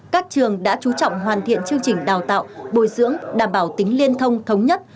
các trường đã chú trọng hoàn thiện chương trình đào tạo bồi dưỡng đảm bảo tính liên thông thống nhất